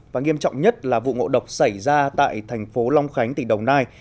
và nghiêm trọng nhất là vụ ngộ độc xảy ra tại thành phố long khánh tỉnh đồng nai